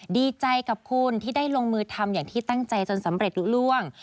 ดีใจกับคุณที่ได้ลงมือทำอย่างที่ตั้งใจจนสำเร็จลุล่วง